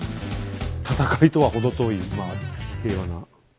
戦いとは程遠いまあ平和な。